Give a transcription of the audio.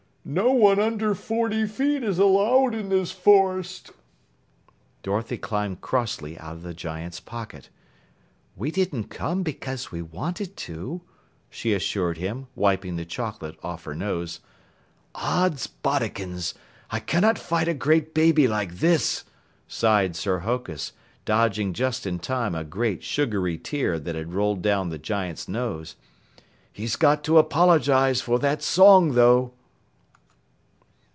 "No one under forty feet is allowed in this forest!" Dorothy climbed crossly out of the giant's pocket. "We didn't come because we wanted to," she assured him, wiping the chocolate off her nose. "Odds bodikins! I cannot fight a great baby like this," sighed Sir Hokus, dodging just in time a great, sugary tear that had rolled down the giant's nose. "He's got to apologize for that song, though."